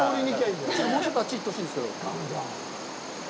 もうちょっとあっちに行ってほしいんですけど。